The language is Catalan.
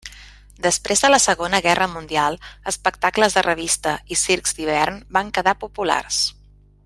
Després de la Segona Guerra Mundial, espectacles de revista i circs d'hivern van quedar populars.